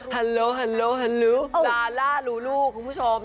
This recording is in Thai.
ฮัลโหลฮัลโหลฮัลโหลลาร่าลูลูคุณผู้ชม